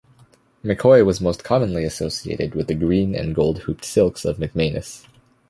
McCoy was most commonly associated with the green and gold hooped silks of McManus.